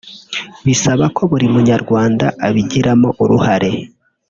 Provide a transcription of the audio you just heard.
bisaba ko buri munyarwanda abigiramo uruhare